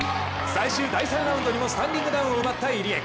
最終第３ラウンドにもスタンディングダウンを奪った入江。